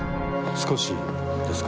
少しですか？